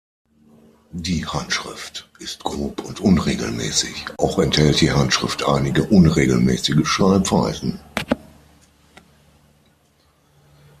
Die Handschrift ist grob und unregelmäßig, auch enthält die Handschrift einige unregelmäßige Schreibweisen.